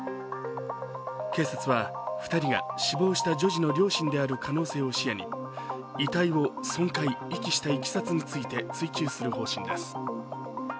警察は２人が死亡した女児の両親である可能性を視野に遺体を損壊・遺棄したいきさつについて追及する方針です。